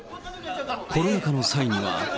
コロナ禍の際には。